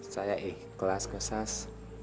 saya ikhlas ke sus